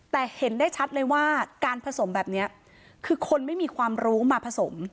แต่เห็นได้ชัดเลยว่าการผสมแบบนี้คือคนไม่มีความรู้มาผสม